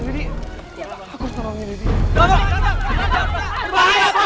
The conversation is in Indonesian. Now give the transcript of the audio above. dah lah berbahaya pak